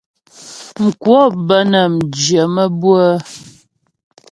Mkwəp bə́ nə́ jyə̀ maə́bʉə́'ə.